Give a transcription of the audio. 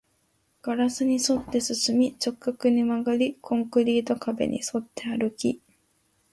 ガラスに沿って進み、直角に曲がり、コンクリート壁に沿って歩き